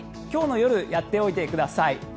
今日の夜やっておいてください。